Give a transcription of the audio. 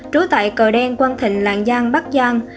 trú tại cờ đen quang thịnh lạng giang bắc giang